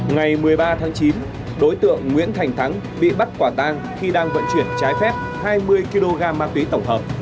ngày một mươi ba tháng chín đối tượng nguyễn thành thắng bị bắt quả tang khi đang vận chuyển trái phép hai mươi kg ma túy tổng hợp